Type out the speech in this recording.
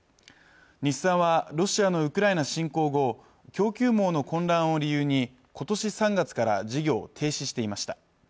日産はロシアのウクライナ侵攻後供給網の混乱を理由に今年３月から事業を停止していました